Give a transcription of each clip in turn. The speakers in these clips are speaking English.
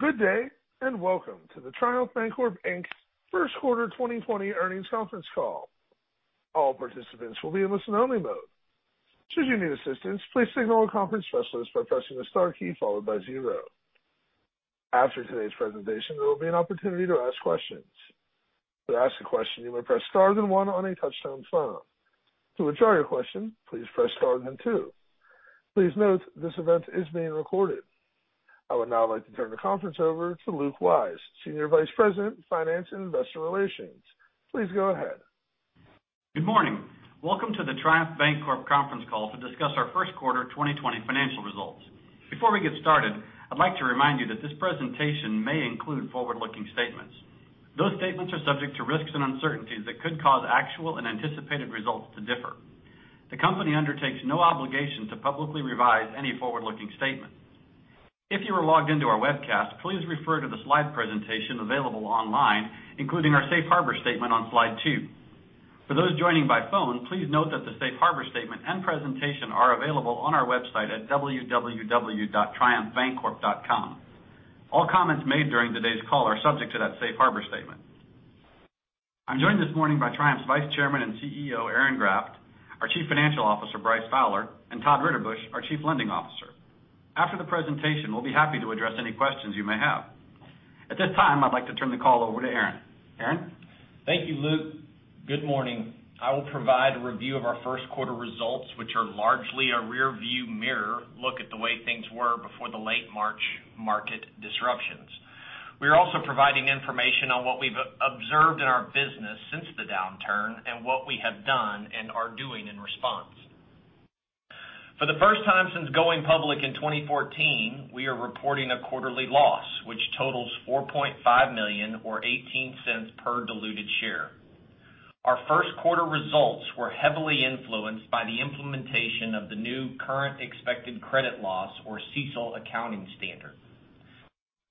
Good day, and welcome to the Triumph Bancorp Inc. First Quarter 2020 earnings conference call. All participants will be in listen only mode. Should you need assistance, please signal a conference specialist by pressing the star key followed by zero. After today's presentation, there will be an opportunity to ask questions. To ask a question, you may press star then one on a touch-tone phone. To withdraw your question, please press star then two. Please note this event is being recorded. I would now like to turn the conference over to Luke Wyse, Senior Vice President, Finance and Investor Relations. Please go ahead. Good morning. Welcome to the Triumph Bancorp conference call to discuss our first quarter 2020 financial results. Before we get started, I'd like to remind you that this presentation may include forward-looking statements. Those statements are subject to risks and uncertainties that could cause actual and anticipated results to differ. The company undertakes no obligation to publicly revise any forward-looking statements. If you are logged into our webcast, please refer to the slide presentation available online, including our Safe Harbor statement on slide two. For those joining by phone, please note that the Safe Harbor statement and presentation are available on our website at www.triumphbancorp.com. All comments made during today's call are subject to that Safe Harbor statement. I'm joined this morning by Triumph Financial's Vice Chairman and CEO, Aaron Graft, our Chief Financial Officer, Bryce Fowler, and Todd Ritterbusch, our Chief Lending Officer. After the presentation, we'll be happy to address any questions you may have. At this time, I'd like to turn the call over to Aaron. Aaron? Thank you, Luke. Good morning. I will provide a review of our first quarter results, which are largely a rear view mirror look at the way things were before the late March market disruptions. We are also providing information on what we've observed in our business since the downturn and what we have done and are doing in response. For the first time since going public in 2014, we are reporting a quarterly loss, which totals $4.5 million or $0.18 per diluted share. Our first quarter results were heavily influenced by the implementation of the new current expected credit loss, or CECL accounting standard.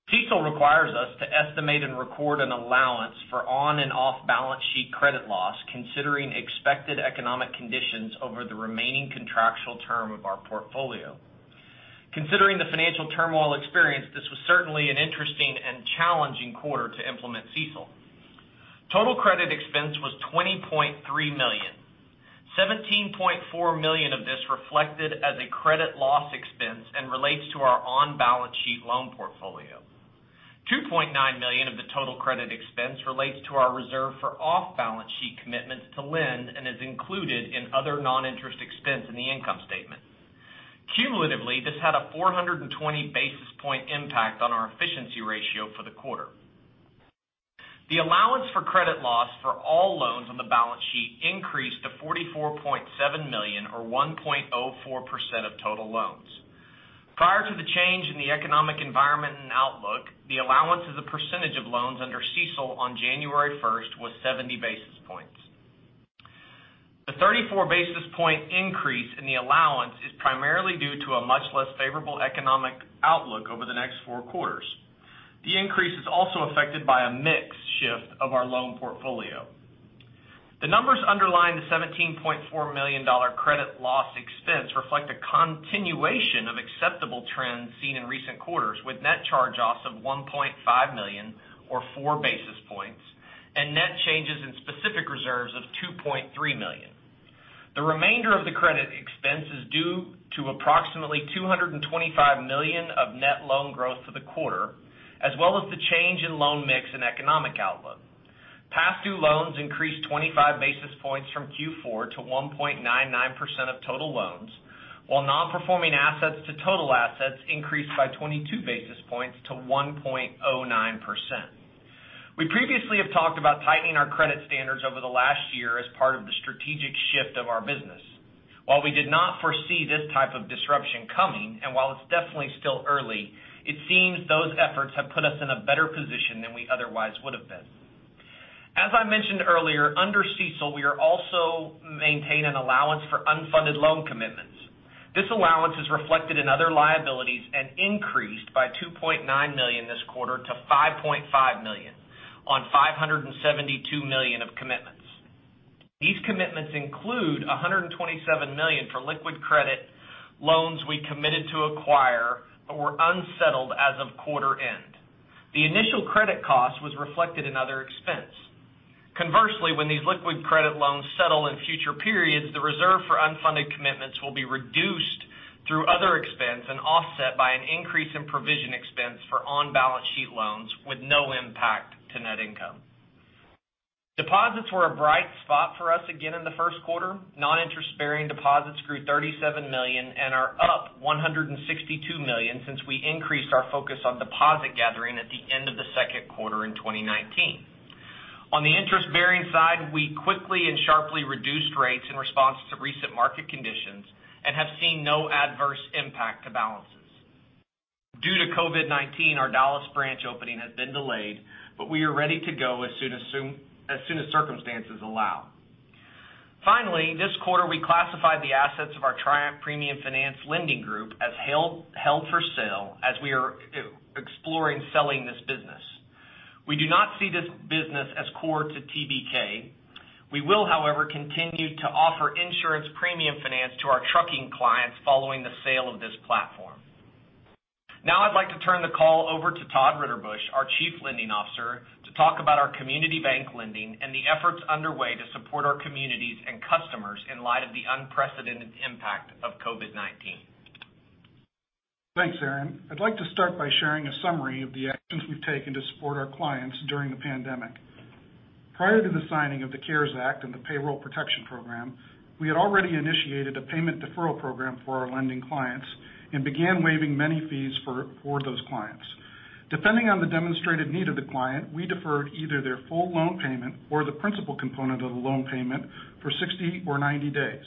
CECL requires us to estimate and record an allowance for on and off-balance sheet credit loss considering expected economic conditions over the remaining contractual term of our portfolio. Considering the financial turmoil experienced, this was certainly an interesting and challenging quarter to implement CECL. Total credit expense was $20.3 million. $17.4 million of this reflected as a credit loss expense and relates to our on-balance sheet loan portfolio. $2.9 million of the total credit expense relates to our reserve for off-balance sheet commitments to lend and is included in other non-interest expense in the income statement. Cumulatively, this had a 420 basis point impact on our efficiency ratio for the quarter. The allowance for credit loss for all loans on the balance sheet increased to $44.7 million or 1.04% of total loans. Prior to the change in the economic environment and outlook, the allowance as a percentage of loans under CECL on January 1st was 70 basis points. The 34 basis point increase in the allowance is primarily due to a much less favorable economic outlook over the next four quarters. The increase is also affected by a mix shift of our loan portfolio. The numbers underlying the $17.4 million credit loss expense reflect a continuation of acceptable trends seen in recent quarters with net charge-offs of $1.5 million or four basis points and net changes in specific reserves of $2.3 million. The remainder of the credit expense is due to approximately $225 million of net loan growth for the quarter, as well as the change in loan mix and economic outlook. Past due loans increased 25 basis points from Q4 to 1.99% of total loans, while non-performing assets to total assets increased by 22 basis points to 1.09%. We previously have talked about tightening our credit standards over the last year as part of the strategic shift of our business. While we did not foresee this type of disruption coming, and while it's definitely still early, it seems those efforts have put us in a better position than we otherwise would have been. As I mentioned earlier, under CECL, we are also maintain an allowance for unfunded loan commitments. This allowance is reflected in other liabilities and increased by $2.9 million this quarter to $5.5 million on $572 million of commitments. These commitments include $127 million for liquid credit loans we committed to acquire but were unsettled as of quarter end. The initial credit cost was reflected in other expense. Conversely, when these liquid credit loans settle in future periods, the reserve for unfunded commitments will be reduced through other expense and offset by an increase in provision expense for on-balance sheet loans with no impact to net income. Deposits were a bright spot for us again in the first quarter. Non-interest-bearing deposits grew $37 million and are up $162 million since we increased our focus on deposit gathering at the end of the second quarter in 2019. On the interest-bearing side, we quickly and sharply reduced rates in response to recent market conditions and have seen no adverse impact to balances. Due to COVID-19, our Dallas branch opening has been delayed, but we are ready to go as soon as circumstances allow. Finally, this quarter, we classified the assets of our Triumph Premium Finance lending group as held for sale as we are exploring selling. We do not see this business as core to TBK. We will, however, continue to offer insurance premium finance to our trucking clients following the sale of this platform. Now I'd like to turn the call over to Todd Ritterbusch, our Chief Lending Officer, to talk about our community bank lending and the efforts underway to support our communities and customers in light of the unprecedented impact of COVID-19. Thanks, Aaron. I'd like to start by sharing a summary of the actions we've taken to support our clients during the pandemic. Prior to the signing of the CARES Act and the Paycheck Protection Program, we had already initiated a payment deferral program for our lending clients and began waiving many fees for those clients. Depending on the demonstrated need of the client, we deferred either their full loan payment or the principal component of the loan payment for 60 or 90 days.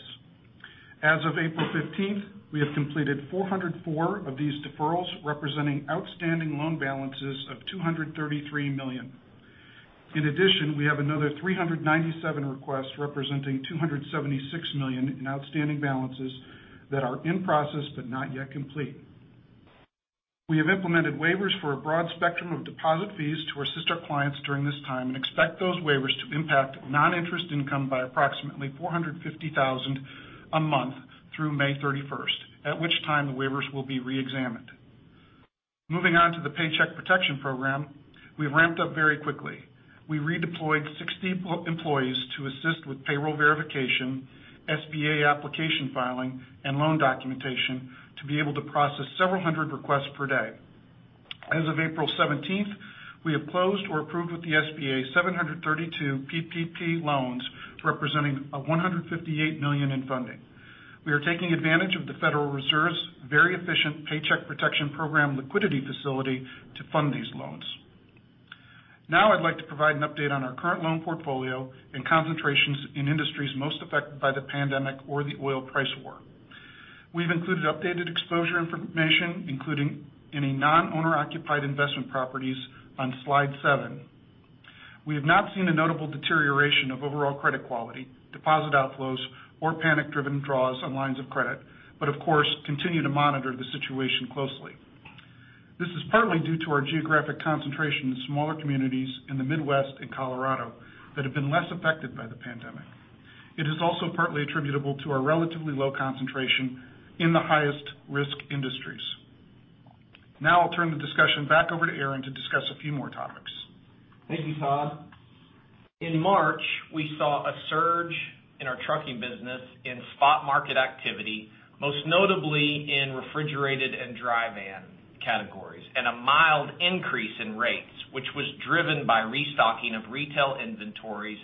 As of April 15th, we have completed 404 of these deferrals, representing outstanding loan balances of $233 million. In addition, we have another 397 requests representing $276 million in outstanding balances that are in process but not yet complete. We have implemented waivers for a broad spectrum of deposit fees to assist our clients during this time and expect those waivers to impact non-interest income by approximately $450,000 a month through May 31st, at which time the waivers will be re-examined. Moving on to the Paycheck Protection Program, we've ramped up very quickly. We redeployed 60 employees to assist with payroll verification, SBA application filing, and loan documentation to be able to process several hundred requests per day. As of April 17th, we have closed or approved with the SBA 732 PPP loans representing a $158 million in funding. We are taking advantage of the Federal Reserve's very efficient Paycheck Protection Program liquidity facility to fund these loans. Now I'd like to provide an update on our current loan portfolio and concentrations in industries most affected by the pandemic or the oil price war. We've included updated exposure information, including any non-owner-occupied investment properties on slide seven. We have not seen a notable deterioration of overall credit quality, deposit outflows, or panic-driven draws on lines of credit, but of course, continue to monitor the situation closely. This is partly due to our geographic concentration in smaller communities in the Midwest and Colorado that have been less affected by the pandemic. It is also partly attributable to our relatively low concentration in the highest-risk industries. I'll turn the discussion back over to Aaron to discuss a few more topics. Thank you, Todd. In March, we saw a surge in our trucking business in spot market activity, most notably in refrigerated and dry van categories, and a mild increase in rates, which was driven by restocking of retail inventories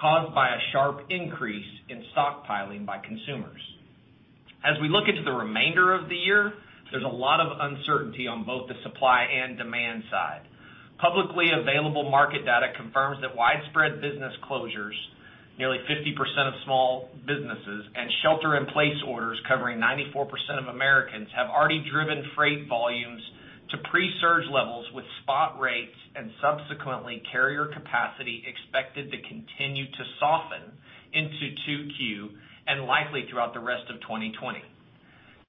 caused by a sharp increase in stockpiling by consumers. As we look into the remainder of the year, there's a lot of uncertainty on both the supply and demand side. Publicly available market data confirms that widespread business closures, nearly 50% of small businesses, and shelter-in-place orders covering 94% of Americans, have already driven freight volumes to pre-surge levels with spot rates and subsequently carrier capacity expected to continue to soften into 2Q and likely throughout the rest of 2020.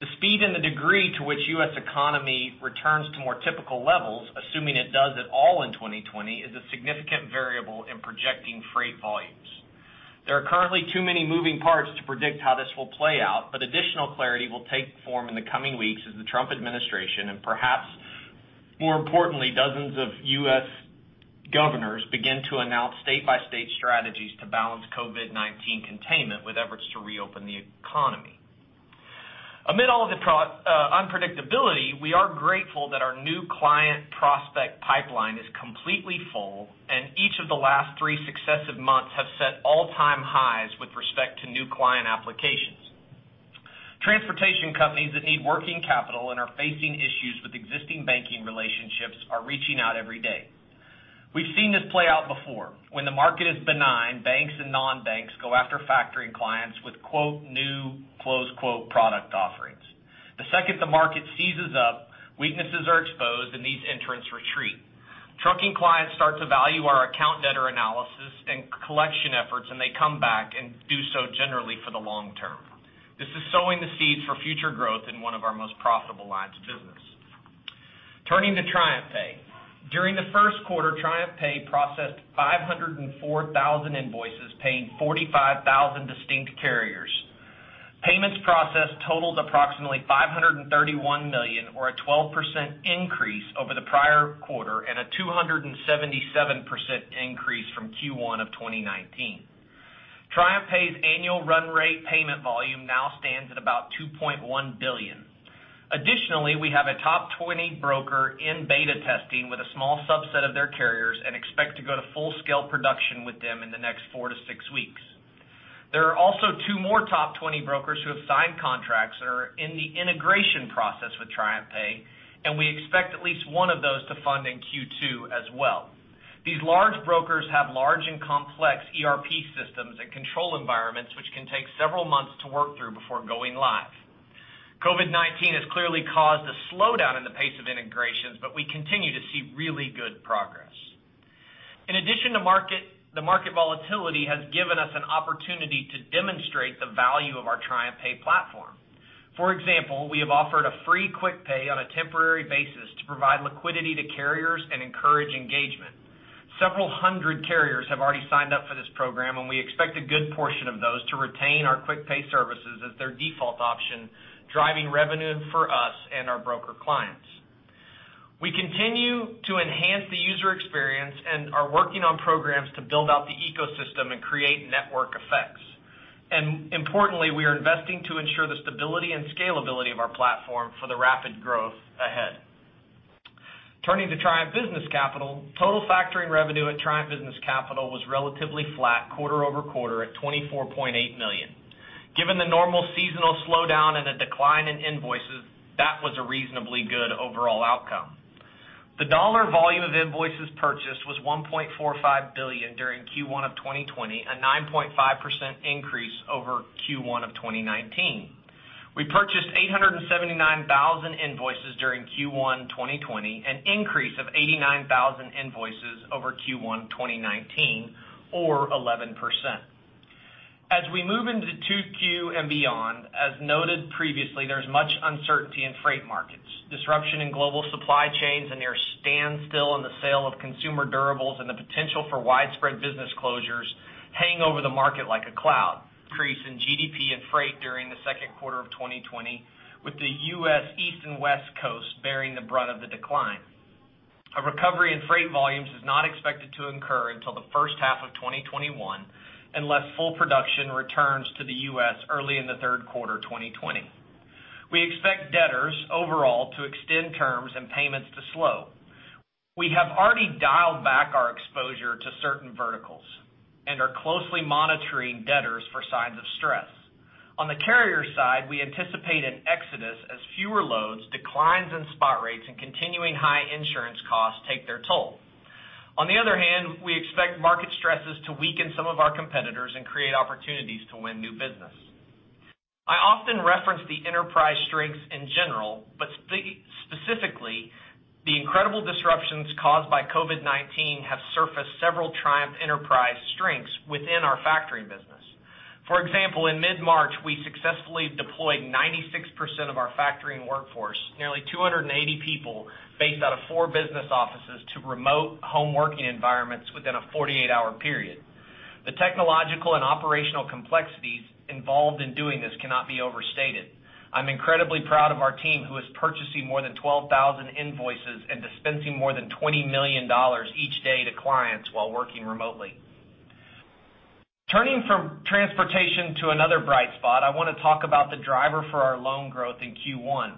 The speed and the degree to which U.S. economy returns to more typical levels, assuming it does at all in 2020, is a significant variable in projecting freight volumes. There are currently too many moving parts to predict how this will play out, but additional clarity will take form in the coming weeks as the Trump administration, and perhaps more importantly, dozens of U.S. governors begin to announce state-by-state strategies to balance COVID-19 containment with efforts to reopen the economy. Amid all of the unpredictability, we are grateful that our new client prospect pipeline is completely full, and each of the last three successive months have set all-time highs with respect to new client applications. Transportation companies that need working capital and are facing issues with existing banking relationships are reaching out every day. We've seen this play out before. When the market is benign, banks and non-banks go after factory clients with "new" product offerings. The second the market seizes up, weaknesses are exposed and these entrants retreat. Trucking clients start to value our account debtor analysis and collection efforts, and they come back and do so generally for the long term. This is sowing the seeds for future growth in one of our most profitable lines of business. Turning to TriumphPay. During the first quarter, TriumphPay processed 504,000 invoices, paying 45,000 distinct carriers. Payments processed totaled approximately $531 million, or a 12% increase over the prior quarter and a 277% increase from Q1 of 2019. TriumphPay's annual run rate payment volume now stands at about $2.1 billion. Additionally, we have a top 20 broker in beta testing with a small subset of their carriers and expect to go to full-scale production with them in the next four to six weeks. There are also two more top 20 brokers who have signed contracts that are in the integration process with TriumphPay, and we expect at least one of those to fund in Q2 as well. These large brokers have large and complex ERP systems and control environments which can take several months to work through before going live. COVID-19 has clearly caused a slowdown in the pace of integrations, but we continue to see really good progress. In addition to market, the market volatility has given us an opportunity to demonstrate the value of our TriumphPay platform. For example, we have offered a free quick pay on a temporary basis to provide liquidity to carriers and encourage engagement. Several hundred carriers have already signed up for this program, and we expect a good portion of those to retain our quick pay services as their default option, driving revenue for us and our broker clients. We continue to enhance the user experience and are working on programs to build out the ecosystem and create network effects. Importantly, we are investing to ensure the stability and scalability of our platform for the rapid growth ahead. Turning to Triumph Business Capital, total factoring revenue at Triumph Business Capital was relatively flat quarter-over-quarter at $24.8 million. Given the normal seasonal slowdown and a decline in invoices, that was a reasonably good overall outcome. The dollar volume of invoices purchased was $1.45 billion during Q1 of 2020, a 9.5% increase over Q1 of 2019. We purchased 879,000 invoices during Q1 2020, an increase of 89,000 invoices over Q1 2019 or 11%. As we move into 2Q and beyond, as noted previously, there's much uncertainty in freight markets. Disruption in global supply chains, a near standstill in the sale of consumer durables, and the potential for widespread business closures hang over the market like a cloud. Decrease in GDP and freight during the second quarter of 2020, with the U.S. East and West Coast bearing the brunt of the decline. A recovery in freight volumes is not expected to occur until the first half of 2021, unless full production returns to the U.S. early in the third quarter 2020. We expect debtors overall to extend terms and payments to slow. We have already dialed back our exposure to certain verticals and are closely monitoring debtors for signs of stress. On the carrier side, we anticipate an exodus as fewer loads, declines in spot rates, and continuing high insurance costs take their toll. On the other hand, we expect market stresses to weaken some of our competitors and create opportunities to win new business. I often reference the enterprise strengths in general, but specifically, the incredible disruptions caused by COVID-19 have surfaced several Triumph enterprise strengths within our factoring business. For example, in mid-March, we successfully deployed 96% of our factoring workforce, nearly 280 people based out of four business offices to remote home working environments within a 48-hour period. The technological and operational complexities involved in doing this cannot be overstated. I'm incredibly proud of our team, who is purchasing more than 12,000 invoices and dispensing more than $20 million each day to clients while working remotely. Turning from transportation to another bright spot, I want to talk about the driver for our loan growth in Q1.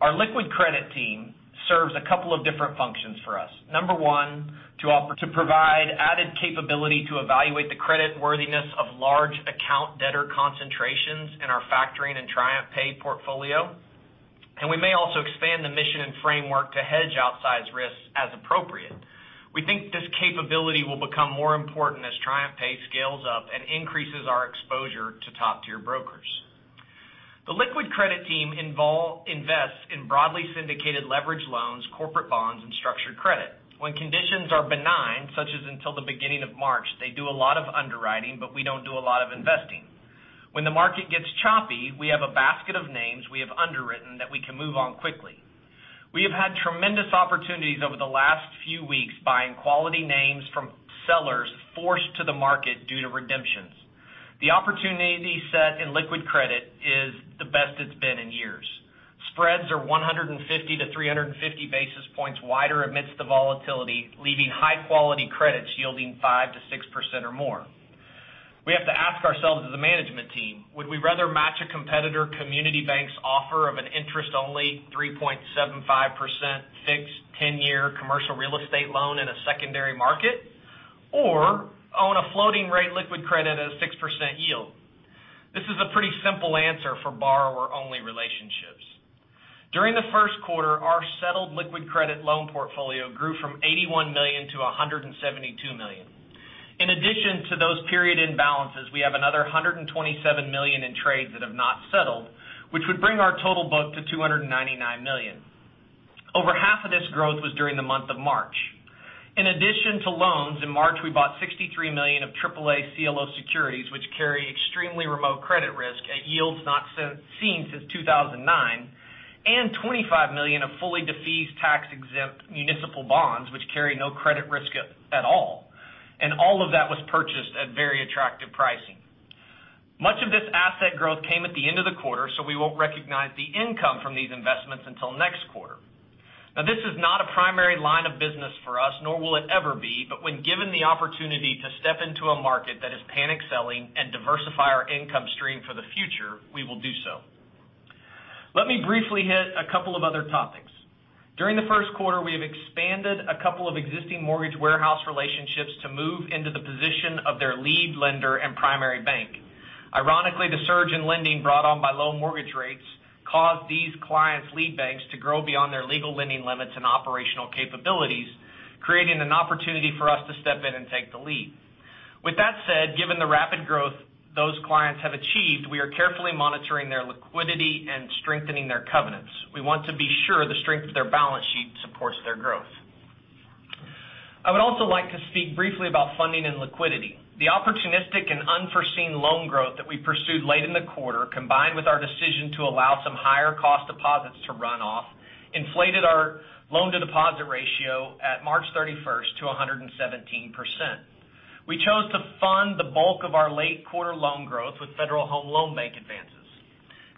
Our liquid credit team serves a couple of different functions for us. Number one, to provide added capability to evaluate the credit worthiness of large account debtor concentrations in our factoring and TriumphPay portfolio. We may also expand the mission and framework to hedge outsized risks as appropriate. We think this capability will become more important as TriumphPay scales up and increases our exposure to top-tier brokers. The liquid credit team invests in broadly syndicated leverage loans, corporate bonds, and structured credit. When conditions are benign, such as until the beginning of March, they do a lot of underwriting, but we don't do a lot of investing. When the market gets choppy, we have a basket of names we have underwritten that we can move on quickly. We have had tremendous opportunities over the last few weeks buying quality names from sellers forced to the market due to redemptions. The opportunity set in liquid credit is the best it's been in years. Spreads are 150 to 350 basis points wider amidst the volatility, leaving high-quality credits yielding 5% to 6% or more. We have to ask ourselves as a management team, would we rather match a competitor community bank's offer of an interest-only 3.75% fixed 10-year commercial real estate loan in a secondary market, or own a floating rate liquid credit at a 6% yield? This is a pretty simple answer for borrower-only relationships. During the first quarter, our settled liquid credit loan portfolio grew from $81 to 172 million. In addition to those period end balances, we have another $127 million in trades that have not settled, which would bring our total book to $299 million. Over half of this growth was during the month of March. In addition to loans, in March, we bought $63 million of AAA CLO securities, which carry extremely remote credit risk at yields not seen since 2009, and $25 million of fully defeased tax-exempt municipal bonds, which carry no credit risk at all. All of that was purchased at very attractive pricing. Much of this asset growth came at the end of the quarter, so we won't recognize the income from these investments until next quarter. Now, this is not a primary line of business for us, nor will it ever be. When given the opportunity to step into a market that is panic selling and diversify our income stream for the future, we will do so. Let me briefly hit a couple of other topics. During the first quarter, we have expanded a couple of existing mortgage warehouse relationships to move into the position of their lead lender and primary bank. Ironically, the surge in lending brought on by low mortgage rates caused these clients' lead banks to grow beyond their legal lending limits and operational capabilities, creating an opportunity for us to step in and take the lead. With that said, given the rapid growth those clients have achieved, we are carefully monitoring their liquidity and strengthening their covenants. We want to be sure the strength of their balance sheet supports their growth. I would also like to speak briefly about funding and liquidity. The opportunistic and unforeseen loan growth that we pursued late in the quarter, combined with our decision to allow some higher cost deposits to run off, inflated our loan-to-deposit ratio at March 31st to 117%. We chose to fund the bulk of our late quarter loan growth with Federal Home Loan Bank advances.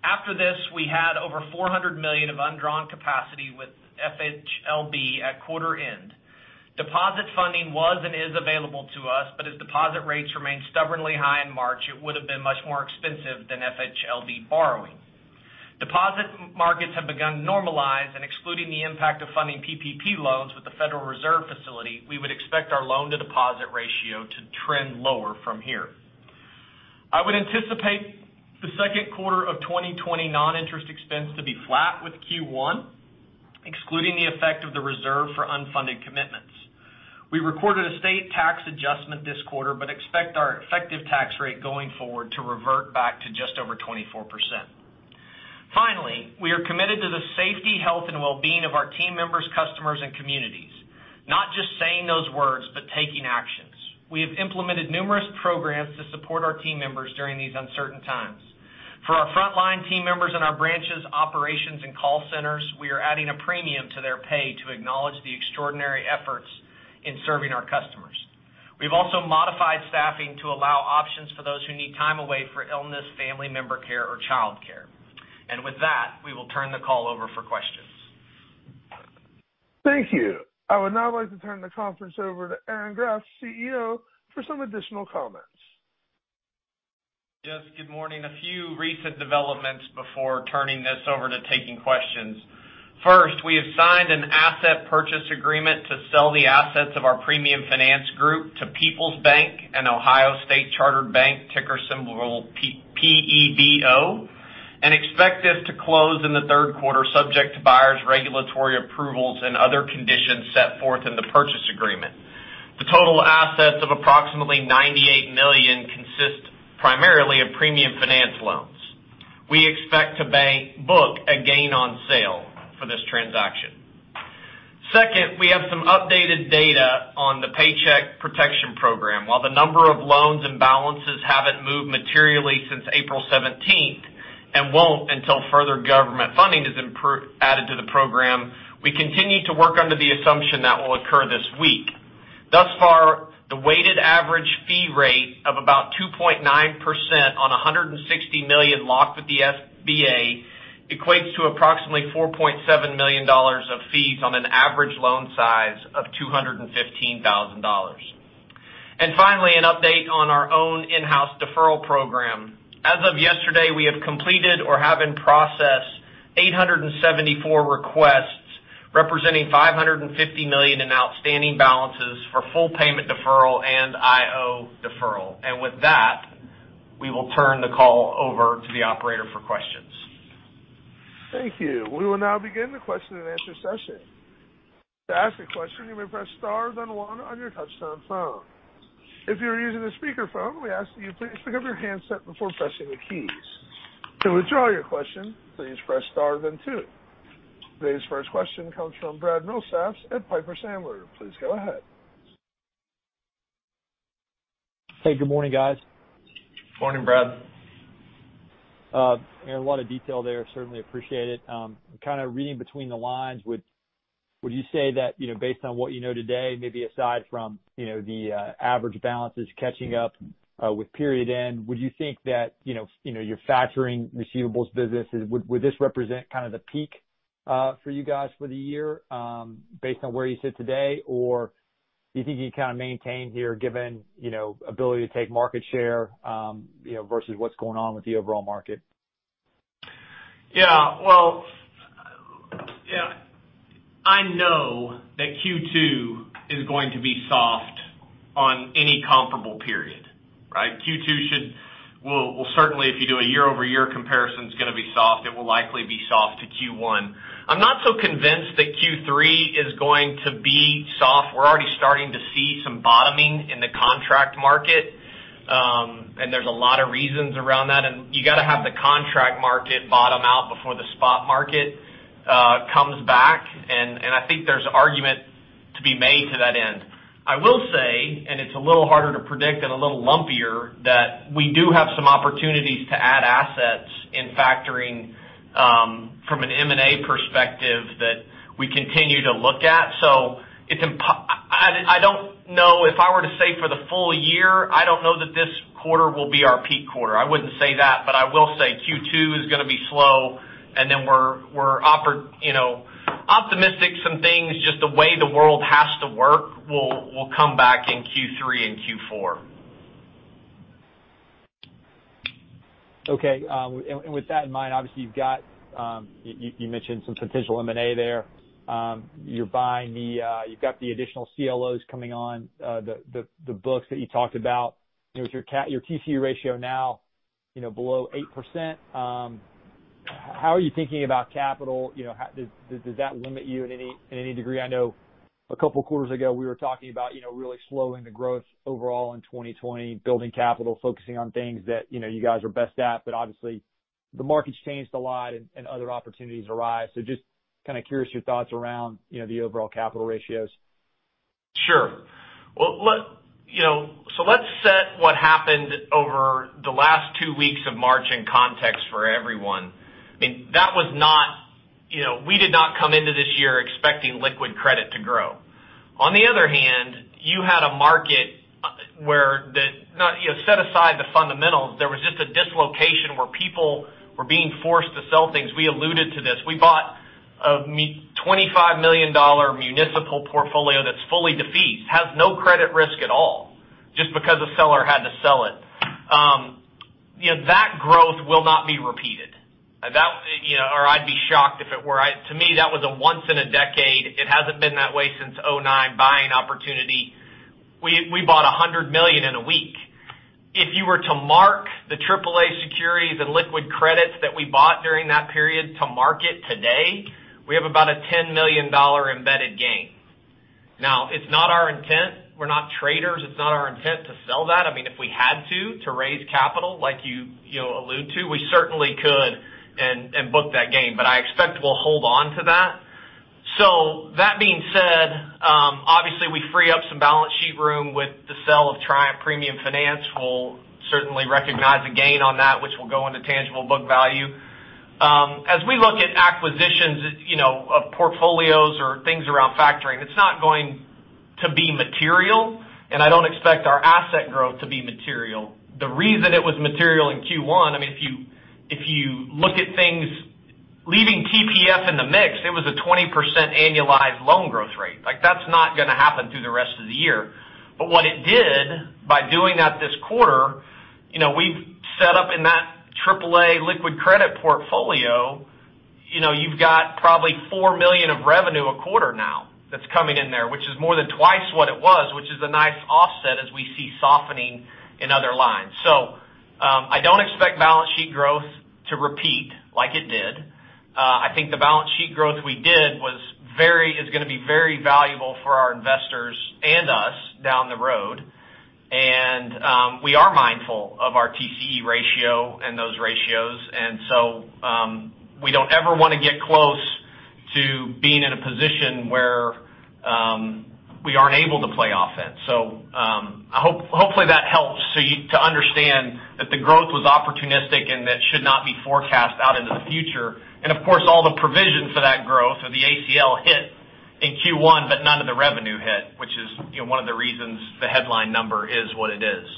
After this, we had over $400 million of undrawn capacity with FHLB at quarter end. Deposit funding was and is available to us, but as deposit rates remained stubbornly high in March, it would've been much more expensive than FHLB borrowing. Deposit markets have begun to normalize and excluding the impact of funding PPP loans with the Federal Reserve facility, we would expect our loan-to-deposit ratio to trend lower from here. I would anticipate the second quarter of 2020 non-interest expense to be flat with Q1, excluding the effect of the reserve for unfunded commitments. We recorded a state tax adjustment this quarter, but expect our effective tax rate going forward to revert back to just over 24%. Finally, we are committed to the safety, health, and wellbeing of our team members, customers, and communities. Not just saying those words, but taking actions. We have implemented numerous programs to support our team members during these uncertain times. For our frontline team members in our branches, operations, and call centers, we are adding a premium to their pay to acknowledge the extraordinary efforts in serving our customers. We've also modified staffing to allow options for those who need time away for illness, family member care, or childcare. With that, we will turn the call over for questions. Thank you. I would now like to turn the conference over to Aaron P. Graft, CEO, for some additional comments. Yes, good morning. A few recent developments before turning this over to taking questions. First, we have signed an asset purchase agreement to sell the assets of our premium finance group to Peoples Bank, an Ohio state-chartered bank, ticker symbol PEBO, and expect this to close in the third quarter, subject to buyer's regulatory approvals and other conditions set forth in the purchase agreement. The total assets of approximately $98 million consist primarily of premium finance loans. We expect to book a gain on sale for this transaction. Second, we have some updated data on the Paycheck Protection Program. While the number of loans and balances haven't moved materially since April 17th, and won't until further government funding is added to the program, we continue to work under the assumption that will occur this week. Thus far, the weighted average fee rate of about 2.9% on $160 million locked with the SBA, equates to approximately $4.7 million of fees on an average loan size of $215,000. Finally, an update on our own in-house deferral program. As of yesterday, we have completed or have in process 874 requests representing $550 million in outstanding balances for full payment deferral and IO deferral. With that, we will turn the call over to the operator for questions. Thank you. We will now begin the question and answer session. To ask a question, you may press star then one on your touch-tone phone. If you are using a speakerphone, we ask that you please pick up your handset before pressing the keys. To withdraw your question, please press star then two. Today's first question comes from Brad Milsaps at Piper Sandler. Please go ahead. Hey, good morning, guys. Morning, Brad. Aaron, a lot of detail there. Certainly appreciate it. Kind of reading between the lines, would you say that, based on what you know today, maybe aside from the average balances catching up with period end, would you think that your factoring receivables business, would this represent kind of the peak for you guys for the year, based on where you sit today? Or do you think you kind of maintain here given ability to take market share versus what's going on with the overall market? Yeah. I know that Q2 is going to be soft on any comparable period, right? Q2 will certainly, if you do a year-over-year comparison, is going to be soft. It will likely be soft to Q1. I'm not so convinced that Q3 is going to be soft. We're already starting to see some bottoming in the contract market. There's a lot of reasons around that, and you got to have the contract market bottom out before the spot market comes back and I think there's argument to be made to that end. I will say, and it's a little harder to predict and a little lumpier, that we do have some opportunities to add assets in factoring, from an M&A perspective, that we continue to look at. I don't know if I were to say for the full year, I don't know that this quarter will be our peak quarter. I wouldn't say that, but I will say Q2 is going to be slow, and then we're optimistic some things, just the way the world has to work, will come back in Q3 and Q4. Okay. With that in mind, obviously you mentioned some potential M&A there. You've got the additional CLOs coming on the books that you talked about. With your TCE ratio now below 8%. How are you thinking about capital? Does that limit you in any degree? I know a couple of quarters ago we were talking about really slowing the growth overall in 2020, building capital, focusing on things that you guys are best at. Obviously, the market's changed a lot and other opportunities arise. Just kind of curious your thoughts around the overall capital ratios. Sure. Let's set what happened over the last two weeks of March in context for everyone. We did not come into this year expecting liquid credit to grow. On the other hand, you had a market where set aside the fundamentals, there was just a dislocation where people were being forced to sell things. We alluded to this. We bought a $25 million municipal portfolio that's fully defeased, has no credit risk at all, just because a seller had to sell it. That growth will not be repeated. I'd be shocked if it were. To me, that was a once in a decade. It hasn't been that way since 2009 buying opportunity. We bought $100 million in a week. If you were to mark the AAA securities and liquid credits that we bought during that period to market today, we have about a $10 million embedded gain. It's not our intent. We're not traders. It's not our intent to sell that. If we had to raise capital like you alluded to, we certainly could and book that gain. I expect we'll hold on to that. That being said, obviously we free up some balance sheet room with the sale of Triumph Premium Finance. We'll certainly recognize a gain on that, which will go into tangible book value. As we look at acquisitions of portfolios or things around factoring, it's not going to be material, and I don't expect our asset growth to be material. The reason it was material in Q1, if you look at things leaving TPF in the mix, it was a 20% annualized loan growth rate. That's not going to happen through the rest of the year. What it did by doing that this quarter, we've set up in that triple-A liquid credit portfolio. You've got probably $4 million of revenue a quarter now that's coming in there, which is more than twice what it was, which is a nice offset as we see softening in other lines. I don't expect balance sheet growth to repeat like it did. I think the balance sheet growth we did is going to be very valuable for our investors and us down the road. We are mindful of our TCE ratio and those ratios. We don't ever want to get close to being in a position where we aren't able to play offense. Hopefully that helps to understand that the growth was opportunistic and that should not be forecast out into the future. Of course, all the provision for that growth or the ACL hit in Q1, but none of the revenue hit, which is one of the reasons the headline number is what it is.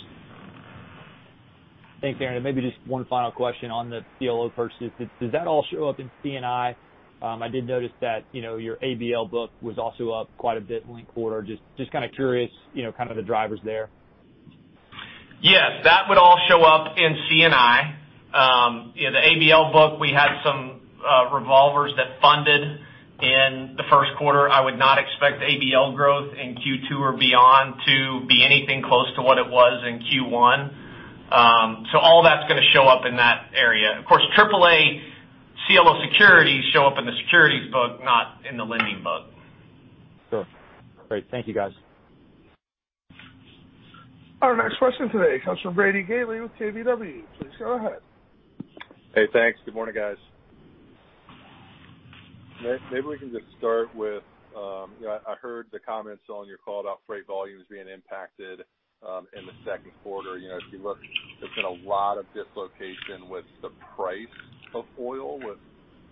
Thanks, Aaron Graft. Maybe just one final question on the CLO purchase. Does that all show up in C&I? I did notice that your ABL book was also up quite a bit linked quarter. Just kind of curious the drivers there.` Yes, that would all show up in C&I. The ABL book, we had some revolvers that funded in the first quarter. I would not expect ABL growth in Q2 or beyond to be anything close to what it was in Q1. All that's going to show up in that area. Of course, triple A CLO securities show up in the securities book, not in the lending book. Sure. Great. Thank you, guys. Our next question today comes from Brady Gailey with KBW. Please go ahead. Hey, thanks. Good morning, guys. Maybe we can just start with, I heard the comments on your call about freight volumes being impacted in the second quarter. If you look, there's been a lot of dislocation with the price of oil, with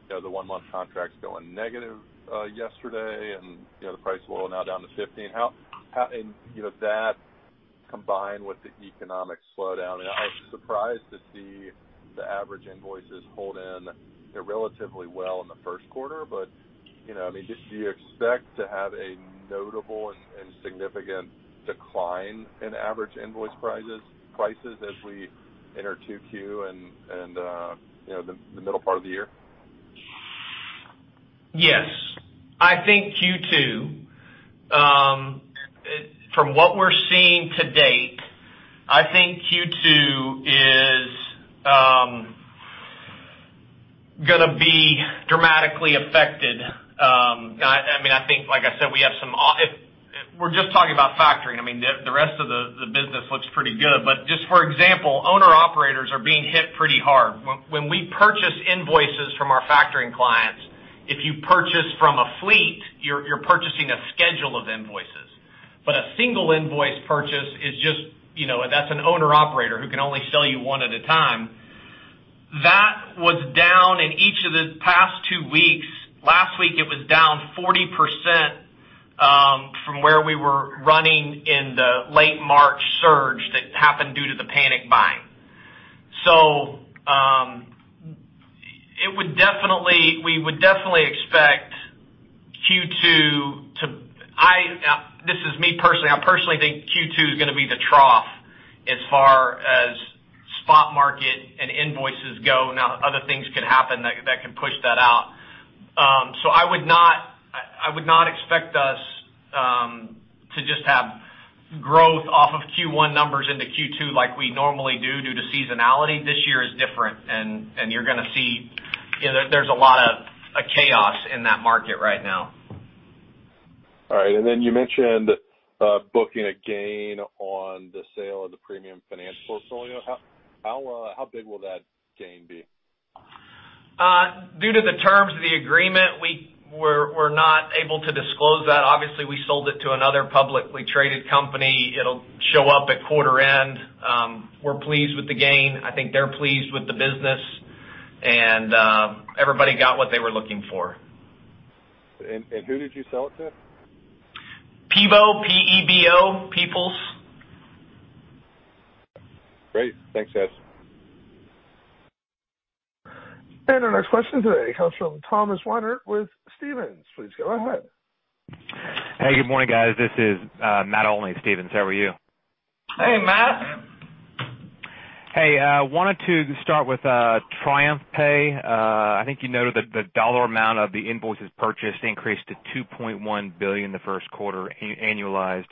the one-month contracts going negative yesterday and the price of oil now down to $15. That combined with the economic slowdown, and I was surprised to see the average invoices hold in relatively well in the first quarter. Do you expect to have a notable and significant decline in average invoice prices as we enter Q2 and the middle part of the year? Yes. From what we're seeing to date, I think Q2 is going to be dramatically affected. Like I said, we're just talking about factoring. The rest of the business looks pretty good. Just for example, owner-operators are being hit pretty hard. When we purchase invoices from our factoring clients, if you purchase from a fleet, you're purchasing a schedule of invoices. A single invoice purchase, that's an owner-operator who can only sell you one at a time. That was down in each of the past two weeks. Last week it was down 40% from where we were running in the late March surge that happened due to the panic buying. We would definitely expect Q2. This is me personally. I personally think Q2 is going to be the trough as far as spot market and invoices go. Other things could happen that can push that out. I would not numbers into Q2 like we normally do due to seasonality. This year is different, and you're going to see there's a lot of chaos in that market right now. All right. Then you mentioned booking a gain on the sale of the premium financial portfolio. How big will that gain be? Due to the terms of the agreement, we're not able to disclose that. Obviously, we sold it to another publicly traded company. It'll show up at quarter end. We're pleased with the gain. I think they're pleased with the business. Everybody got what they were looking for. Who did you sell it to? PEBO, P-E-B-O, Peoples. Great. Thanks, guys. Our next question today comes from Thomas Winter with Stephens. Please go ahead. Hey, good morning, guys. This is Matt Olney, Stephens. How are you? Hey, Matt. Hey, wanted to start with TriumphPay. I think you noted that the dollar amount of the invoices purchased increased to $2.1 billion in the first quarter, annualized.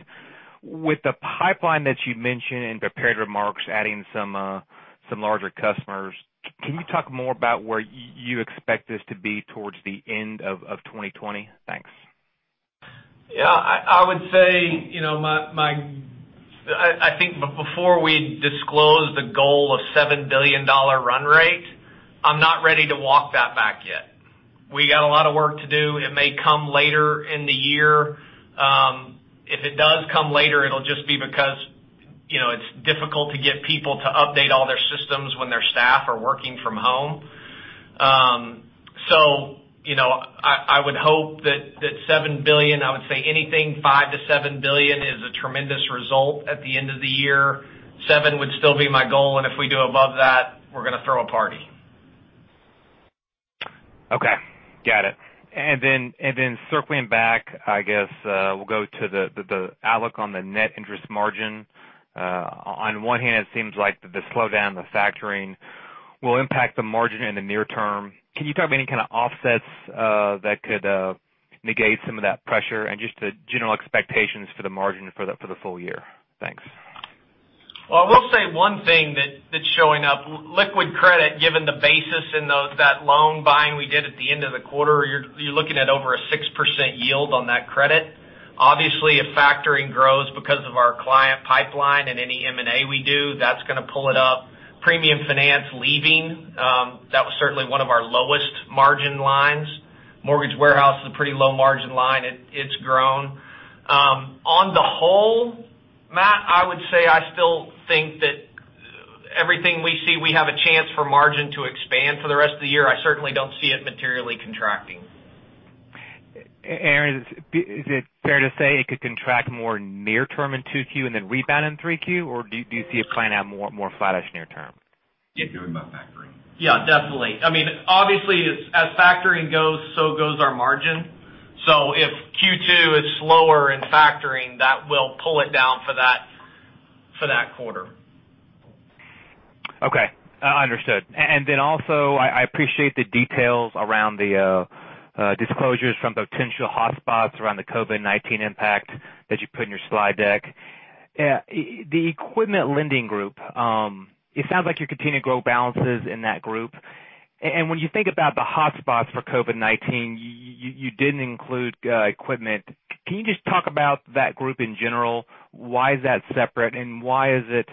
With the pipeline that you mentioned in prepared remarks, adding some larger customers, can you talk more about where you expect this to be towards the end of 2020? Thanks. Yeah, I would say, I think before we disclose the goal of $7 billion run rate, I'm not ready to walk that back yet. We got a lot of work to do. It may come later in the year. If it does come later, it'll just be because it's difficult to get people to update all their systems when their staff are working from home. I would hope that $7 billion, I would say anything, $5 to 7 billion is a tremendous result at the end of the year. Seven would still be my goal, and if we do above that, we're going to throw a party. Okay, got it. Circling back, I guess, we'll go to the outlook on the net interest margin. On one hand, it seems like the slowdown, the factoring will impact the margin in the near term. Can you talk about any kind of offsets that could negate some of that pressure and just the general expectations for the margin for the full year? Thanks. Well, I will say one thing that's showing up, liquid credit, given the basis in that loan buying we did at the end of the quarter, you're looking at over a 6% yield on that credit. Obviously, if factoring grows because of our client pipeline and any M&A we do, that's going to pull it up. Premium finance leaving, that was certainly one of our lowest margin lines. Mortgage warehouse is a pretty low margin line. It's grown. On the whole, Matt, I would say I still think that everything we see, we have a chance for margin to expand for the rest of the year. I certainly don't see it materially contracting. Aaron, is it fair to say it could contract more near term in Q2 and then rebound in Q3, or do you see it playing out more flattish near term? Yeah, you're talking about factoring. Yeah, definitely. Obviously, as factoring goes, so goes our margin. If Q2 is slower in factoring, that will pull it down for that quarter. Okay. Understood. Also, I appreciate the details around the disclosures from potential hotspots around the COVID-19 impact that you put in your slide deck. The equipment lending group, it sounds like you're continuing to grow balances in that group. When you think about the hotspots for COVID-19, you didn't include equipment. Can you just talk about that group in general? Why is that separate, and why is it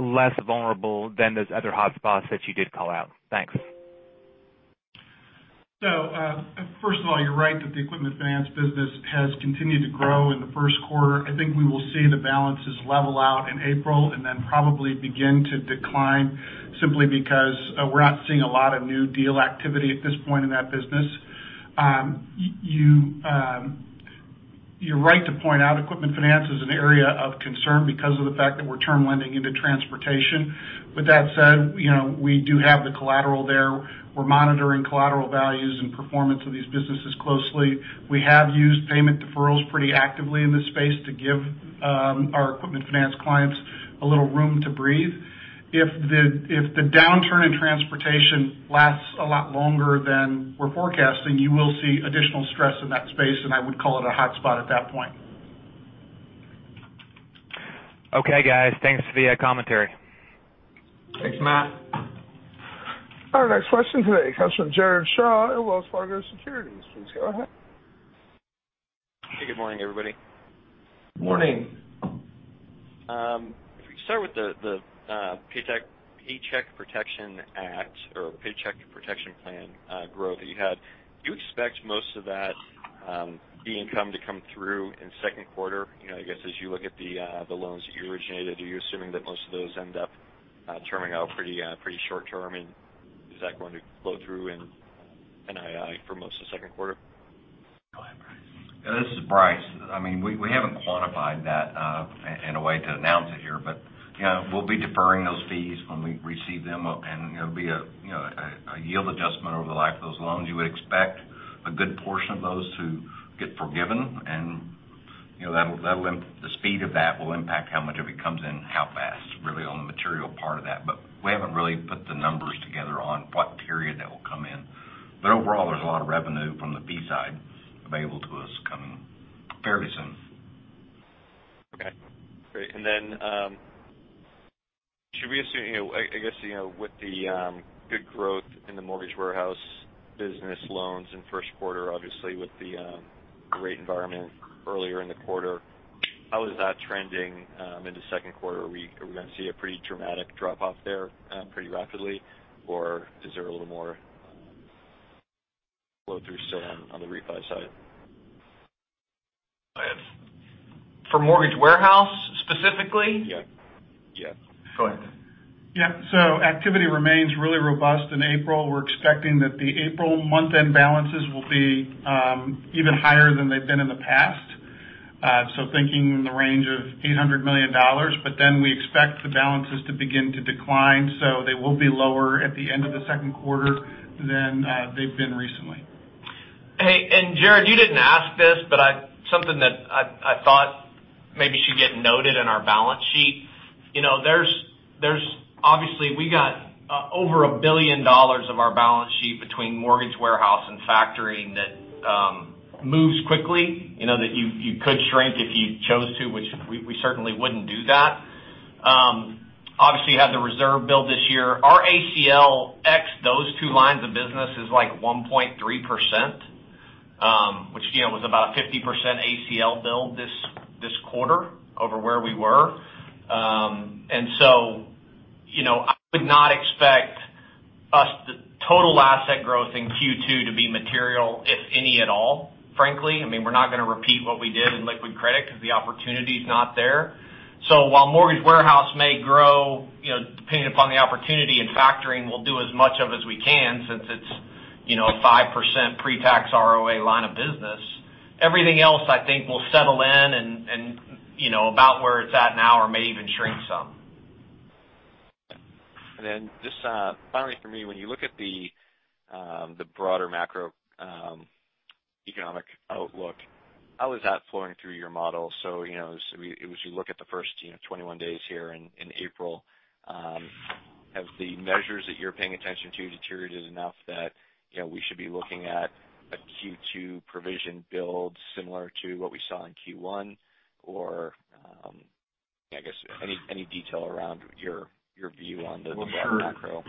less vulnerable than those other hotspots that you did call out? Thanks. First of all, you're right that the equipment finance business has continued to grow in the first quarter. I think we will see the balances level out in April and then probably begin to decline simply because we're not seeing a lot of new deal activity at this point in that business. You're right to point out equipment finance is an area of concern because of the fact that we're term lending into transportation. With that said, we do have the collateral there. We're monitoring collateral values and performance of these businesses closely. We have used payment deferrals pretty actively in this space to give our equipment finance clients a little room to breathe. If the downturn in transportation lasts a lot longer than we're forecasting, you will see additional stress in that space, and I would call it a hotspot at that point. Okay, guys. Thanks for the commentary. Thanks, Matt. Our next question today comes from Jared Shaw at Wells Fargo Securities. Please go ahead. Hey, good morning, everybody. Morning. Morning. We could start with the Paycheck Protection Program or Paycheck Protection Program growth that you had. Do you expect most of that fee income to come through in the second quarter? I guess as you look at the loans that you originated, are you assuming that most of those end up terming out pretty short-term, and is that going to flow through in NII for most of the second quarter? Go ahead, Bryce. This is Bryce. We haven't quantified that in a way to announce it here, but we'll be deferring those fees when we receive them, and it'll be a yield adjustment over the life of those loans. You would expect a good portion of those to get forgiven, and the speed of that will impact how much of it comes in, how fast, really, on the material part of that. We haven't really put the numbers out. Overall, there's a lot of revenue from the fee side available to us coming fairly soon. Okay, great. Should we assume, I guess, with the good growth in the mortgage warehouse business loans in first quarter, obviously with the rate environment earlier in the quarter, how is that trending into second quarter? Are we going to see a pretty dramatic drop-off there pretty rapidly, or is there a little more flow-through still on the refi side? For mortgage warehouse specifically? Yeah. Go ahead. Activity remains really robust in April. We're expecting that the April month-end balances will be even higher than they've been in the past. Thinking in the range of $800 million. We expect the balances to begin to decline, so they will be lower at the end of the second quarter than they've been recently. Hey, Jared, you didn't ask this, but something that I thought maybe should get noted in our balance sheet. Obviously, we got over $1 billion of our balance sheet between mortgage warehouse and factoring that moves quickly, that you could shrink if you chose to, which we certainly wouldn't do that. Obviously, you have the reserve build this year. Our ACL ex those two lines of business is like 1.3%, which was about a 50% ACL build this quarter over where we were. I would not expect the total asset growth in Q2 to be material, if any at all, frankly. We're not going to repeat what we did in liquid credit because the opportunity's not there. While mortgage warehouse may grow depending upon the opportunity, and factoring will do as much of as we can since it's a 5% pre-tax ROA line of business. Everything else I think will settle in and about where it's at now or may even shrink some. Then just finally for me, when you look at the broader macroeconomic outlook, how is that flowing through your model? As you look at the first 21 days here in April, have the measures that you're paying attention to deteriorated enough that we should be looking at a Q2 provision build similar to what we saw in Q1? I guess, any detail around your view on the broader macro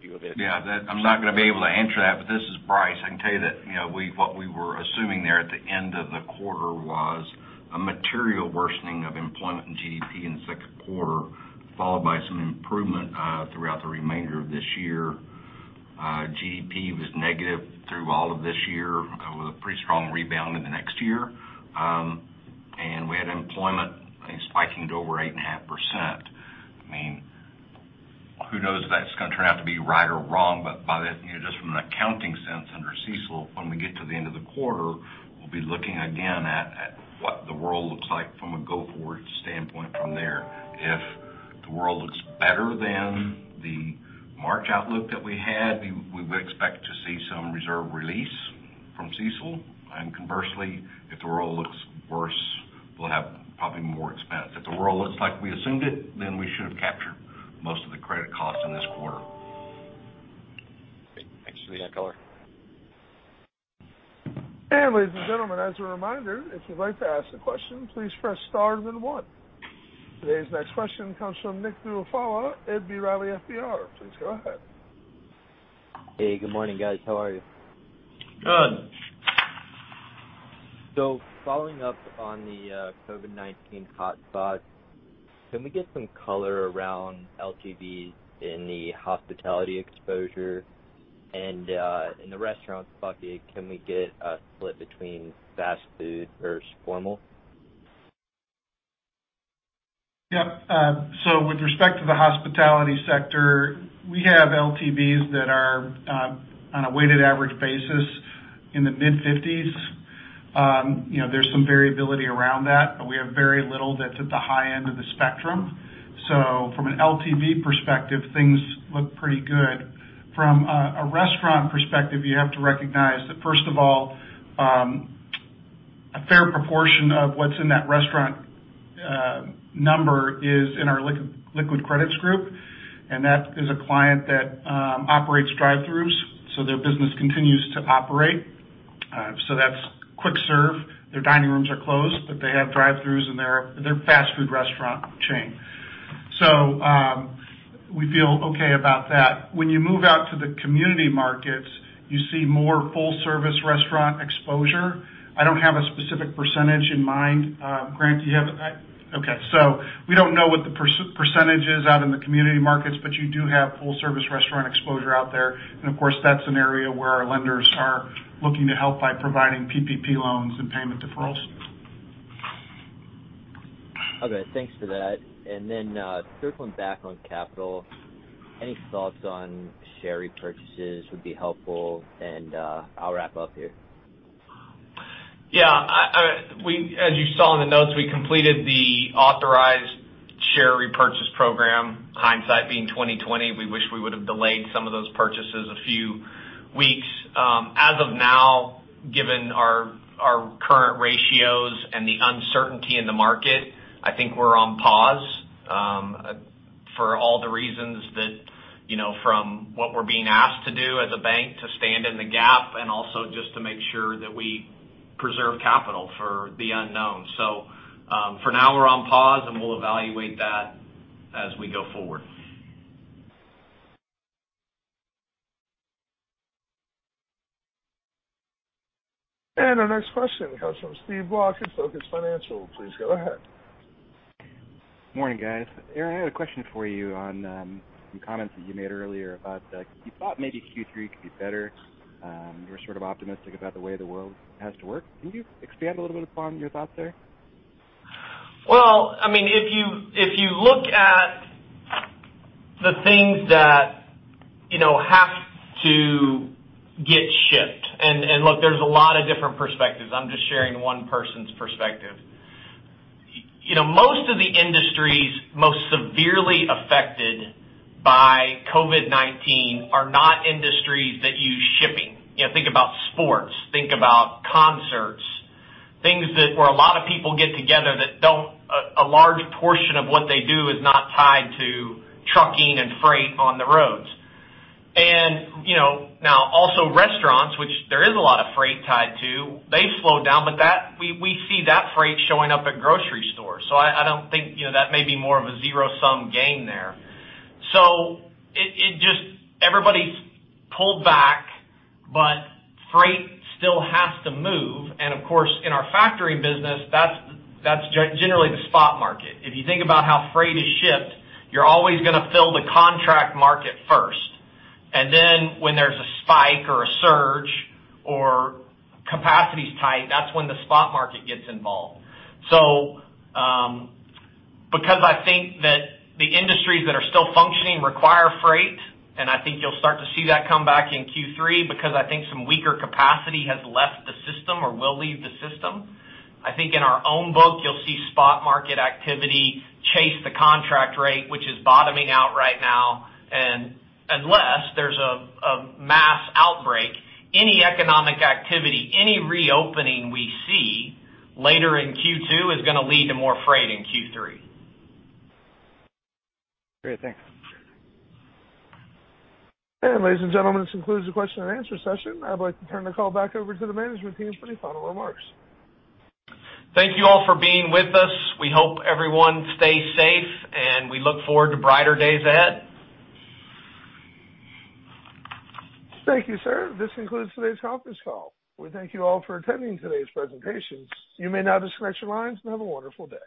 view of it? I'm not going to be able to answer that, but this is Bryce. I can tell you that what we were assuming there at the end of the quarter was a material worsening of employment and GDP in the second quarter, followed by some improvement throughout the remainder of this year. GDP was negative through all of this year with a pretty strong rebound in the next year. We had employment spiking to over 8.5%. Who knows if that's going to turn out to be right or wrong, but by just from an accounting sense under CECL, when we get to the end of the quarter, we'll be looking again at what the world looks like from a go-forward standpoint from there. If the world looks better than the March outlook that we had, we would expect to see some reserve release from CECL. Conversely, if the world looks worse, we'll have probably more expense. If the world looks like we assumed it, we should have captured most of the credit cost in this quarter. Okay. Thanks for the color. Ladies and gentlemen, as a reminder, if you'd like to ask a question, please press star then one. Today's next question comes from Steve Moss at B. Riley FBR. Please go ahead. Hey, good morning, guys. How are you? Good. Following up on the COVID-19 hotspot, can we get some color around LTVs in the hospitality exposure? In the restaurants bucket, can we get a split between fast food versus formal? Yep. With respect to the hospitality sector, we have LTVs that are on a weighted average basis in the mid-50s. There's some variability around that, but we have very little that's at the high end of the spectrum. From an LTV perspective, things look pretty good. From a restaurant perspective, you have to recognize that first of all, a fair proportion of what's in that restaurant number is in our liquid credits group, and that is a client that operates drive-throughs, so their business continues to operate. That's quick serve. Their dining rooms are closed, but they have drive-throughs and they're a fast food restaurant chain. We feel okay about that. When you move out to the community markets, you see more full-service restaurant exposure. I don't have a specific percentage in mind. Grant, do you have? Okay. We don't know what the percentage is out in the community markets, but you do have full-service restaurant exposure out there. Of course, that's an area where our lenders are looking to help by providing PPP loans and payment deferrals. Okay, thanks for that. Circling back on capital, any thoughts on share repurchases would be helpful, and I'll wrap up here. Yeah. As you saw in the notes, we completed the authorized share repurchase program. Hindsight being 2020, we wish we would've delayed some of those purchases a few weeks. As of now, given our current ratios and the uncertainty in the market, I think we're on pause for all the reasons that, from what we're being asked to do as a bank, to stand in the gap, and also just to make sure that we preserve capital for the unknown. For now, we're on pause, and we'll evaluate that as we go forward. Our next question comes from Steve Block at Phocas Financial. Please go ahead. Morning, guys. Aaron, I had a question for you on some comments that you made earlier about that you thought maybe Q3 could be better. You were sort of optimistic about the way the world has to work. Can you expand a little bit upon your thoughts there? Well, if you look at the things that have to get shipped, look, there's a lot of different perspectives. I'm just sharing one person's perspective. Most of the industries most severely affected by COVID-19 are not industries that use shipping. Think about sports, think about concerts, things where a lot of people get together that a large portion of what they do is not tied to trucking and freight on the roads. Now also restaurants, which there is a lot of freight tied to, they've slowed down, but we see that freight showing up at grocery stores. I don't think That may be more of a zero-sum game there. Everybody's pulled back, but freight still has to move. Of course, in our factory business, that's generally the spot market. If you think about how freight is shipped, you're always going to fill the contract market first. When there's a spike or a surge or capacity's tight, that's when the spot market gets involved. Because I think that the industries that are still functioning require freight, and I think you'll start to see that come back in Q3 because I think some weaker capacity has left the system or will leave the system. I think in our own book, you'll see spot market activity chase the contract rate, which is bottoming out right now. Unless there's a mass outbreak, any economic activity, any reopening we see later in Q2 is going to lead to more freight in Q3. Great. Thanks. Ladies and gentlemen, this concludes the question and answer session. I'd like to turn the call back over to the management team for any final remarks. Thank you all for being with us. We hope everyone stays safe, and we look forward to brighter days ahead. Thank you, sir. This concludes today's conference call. We thank you all for attending today's presentation. You may now disconnect your lines and have a wonderful day.